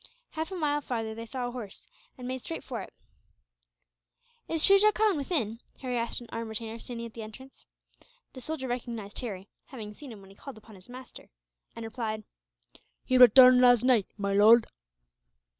Half a mile farther they saw a house, and made straight for it. "Is Shuja Khan within?" Harry asked an armed retainer standing at the entrance. The soldier recognized Harry having seen him when he called upon his master and replied: "He returned last night, my lord."